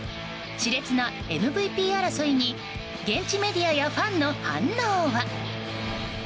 熾烈なＭＶＰ争いに現地メディアやファンの反応は？